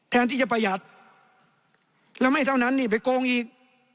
แทนที่จะประหยัดแล้วไม่เท่านั้นนี่ไปโกงอีก